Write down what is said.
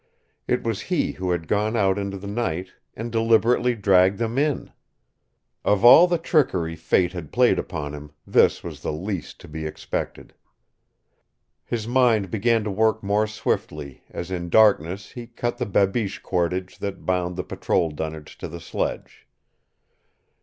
It was he who had gone out into the night and deliberately dragged them in! Of all the trickery fate had played upon him this was the least to be expected. His mind began to work more swiftly as in darkness he cut the babiche cordage that bound the patrol dunnage to the sledge.